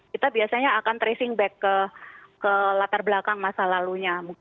kita biasanya akan tracing back ke latar belakang masa lalunya